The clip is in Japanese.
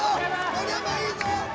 盛山いいぞ！